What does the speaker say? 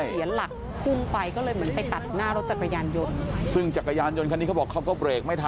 เหมือนจักรยานเขาสะบัดนะฮะ